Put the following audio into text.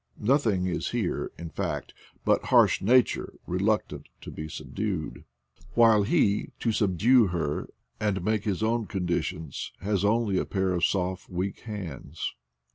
Nothing is here, in fact, but harsh Nature reluctant to be subdued; while he, to subdue her and make his 84 IDLE DAYS IN PATAGONIA; own conditions, has only a pair of soft weak hands.